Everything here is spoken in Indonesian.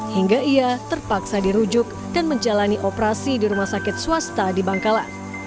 hingga ia terpaksa dirujuk dan menjalani operasi di rumah sakit swasta di bangkalan